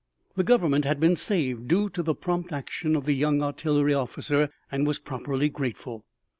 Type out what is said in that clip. The Government had been saved due to the prompt action of the young artillery officer and was properly grateful.